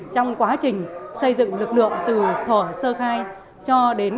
trong quá trình xây dựng lực lượng từ thỏ sơ khai cho đến